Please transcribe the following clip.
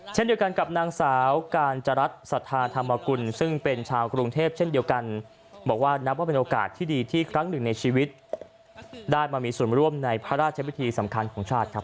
เช่นเดียวกันกับนางสาวกาญจรัฐสัทธาธรรมกุลซึ่งเป็นชาวกรุงเทพเช่นเดียวกันบอกว่านับว่าเป็นโอกาสที่ดีที่ครั้งหนึ่งในชีวิตได้มามีส่วนร่วมในพระราชวิธีสำคัญของชาติครับ